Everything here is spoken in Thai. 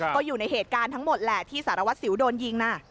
ก็อยู่ในเหตุการณ์ทั้งหมดที่ศรวรสิวโดนยิง